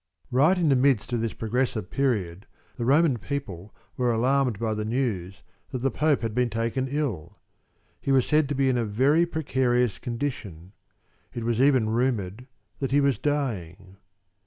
Right in the midst of this progressive period the Roman people were alarmed by the news that the Pope had been taken ill. He was said to be in a very precarious condition; it was even rumored that he was dying.